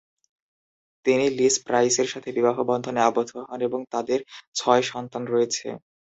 তিনি লিস প্রাইসের সাথে বিবাহ বন্ধনে আবদ্ধ হন এবং তাদের ছয় সন্তান রয়েছে।